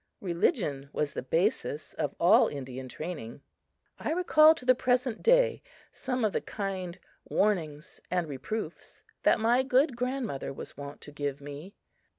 Religion was the basis of all Indian training. I recall to the present day some of the kind warnings and reproofs that my good grandmother was wont to give me.